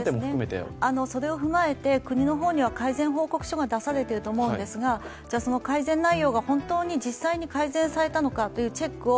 それを踏まえて、国の方には改善報告書が出されてると思うんですがその改善内容が本当に実際に改善されたのかというチェックを